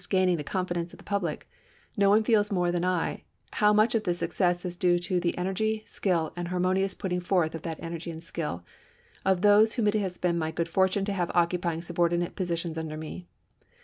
gaining the confidence of the public, no one feels more than I how much of this success is clue to the energy, skill, and the harmonious putting forth of that energy and skill, of those whom it has been my good fortune to have occupying subordinate posi tions under me.